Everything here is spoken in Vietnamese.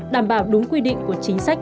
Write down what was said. đảm bảo đúng quy định của chính sách